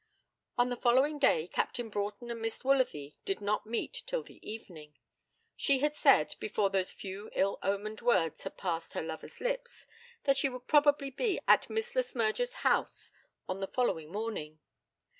On the following day Captain Broughton and Miss Woolsworthy did not meet till the evening. She had said, before those few ill omened words had passed her lover's lips, that she would probably be at Miss Le Smyrger's house on the following morning.